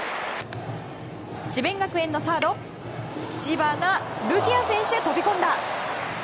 智弁学園のサード知花琉綺亜選手、飛び込んだ！